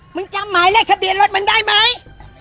จำหมายเลขทะเบียนรถมันได้ไหม